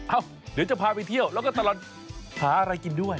เดี๋ยวจะพาไปเที่ยวแล้วก็ตลอดหาอะไรกินด้วย